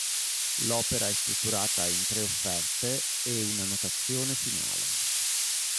L'Opera è strutturata in tre "Offerte" e una "Annotazione finale".